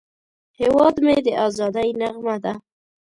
هیواد مې د ازادۍ نغمه ده